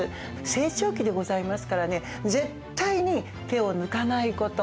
成長期でございますからね絶対に手を抜かないこと。